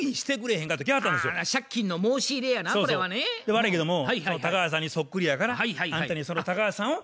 悪いんけども高橋さんにそっくりやからあんたにその高橋さんを。